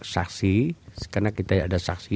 saksi karena kita ada saksi